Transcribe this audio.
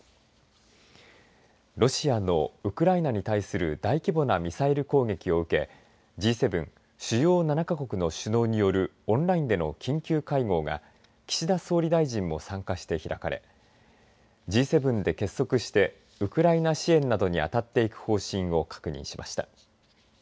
ロシアのウクライナに対する大規模なミサイル攻撃を受けＧ７、主要７か国の首脳によるオンラインでの緊急会合が岸田総理大臣も参加して開かれＧ７で結束してウクライナ支援などに当たっていく方針を確認しました。